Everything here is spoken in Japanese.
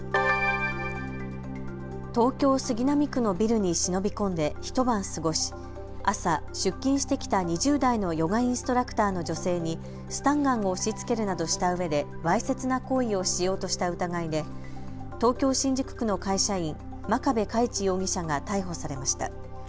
東京杉並区のビルに忍び込んで一晩過ごし朝、出勤してきた２０代のヨガインストラクターの女性にスタンガンを押しつけるなどしたうえでわいせつな行為をしようとした疑いで東京新宿区の会社員、眞壁佳一容疑者が逮捕されました。